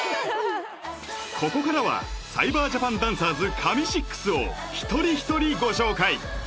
ここからはサイバージャパンダンサーズ神６を一人一人ご紹介